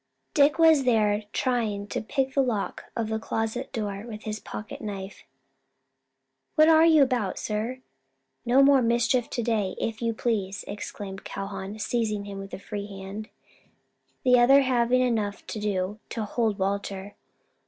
Dick was there trying to pick the lock of the closet door with his pocket knife. "What are you about, sir? No more mischief to day, if you please," exclaimed Calhoun, seizing him with the free hand, the other having enough to do to hold Walter.